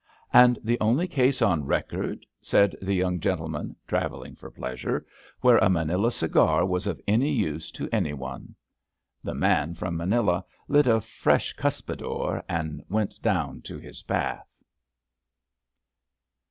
And the only case on record," said the Young Gentleman travelling for Pleasure, *^ where a Manila cigar was of any use to any one." The man from Manila lit a fresh Cuspidore and went down to his bath.